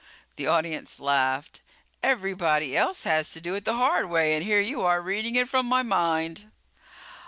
The audience laughed. "Everybody else has to do it the hard way and here you are reading it from my mind."